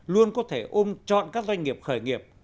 luôn có thể ôm chọn các doanh nghiệp khởi nghiệp